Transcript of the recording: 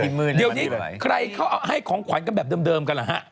เดี๋ยวนี้ใครเขาให้ของขวัญกันแบบเดิมกันเหรอฮะ